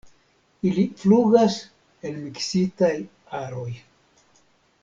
Ili flugas en miksitaj aroj.